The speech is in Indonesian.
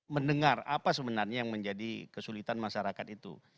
mendengar apa sebenarnya yang menjadi kesulitan masyarakat itu